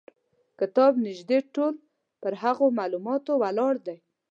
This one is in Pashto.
کتاب نیژدې ټول پر هغو معلوماتو ولاړ دی.